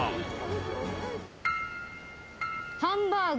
ハンバーグ。